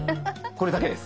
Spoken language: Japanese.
これだけです。